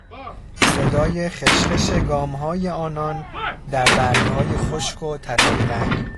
صدای خشخش گامهای آنان در برگهای خشک و طلایی رنگ